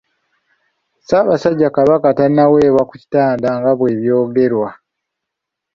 Ssaabasajja Kabaka tannaweebwa ku kitanda nga bwe byogerwa.